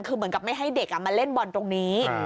คือเหมือนกับไม่ให้เด็กมาเล่นบอลตรงนี้